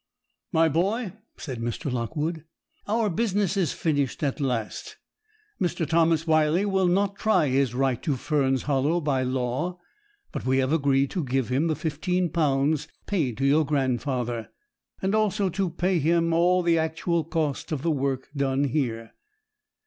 'My boy,' said Mr. Lockwood, 'our business is finished at last. Mr. Thomas Wyley will not try his right to Fern's Hollow by law; but we have agreed to give him the £15 paid to your grandfather, and also to pay to him all the actual cost of the work done here.